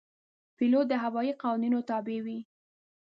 پیلوټ د هوايي قوانینو تابع وي.